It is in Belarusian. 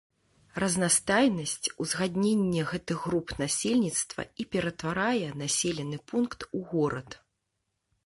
Разнастайнасць, узгадненне гэтых груп насельніцтва і ператварае населены пункт у горад.